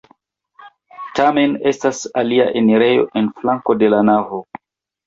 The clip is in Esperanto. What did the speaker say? Tamen estas alia enirejo en flanko de la navo.